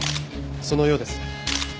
そのようです。